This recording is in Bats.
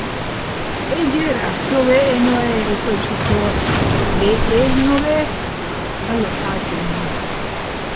ე ჯერ აჰ̦ო̆ ცო ვე́ჸენვაე́, უკვე ჩუ თო́ჰ̦ო̆, - ე აჲლ'ნორე́ ჰ̦ალოჸ ჰ̦ა́ჭვიეჼ.